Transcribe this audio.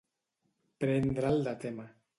Prendre'l de tema.